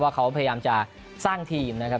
เขาพยายามจะสร้างทีมนะครับ